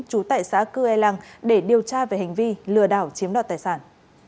chú tại xã cư e làng để điều tra về hành vi lừa đảo chiếm đoạt tài sản